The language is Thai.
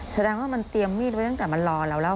แสดงว่ามันเตรียมมีดไว้ตั้งแต่มันรอเราแล้ว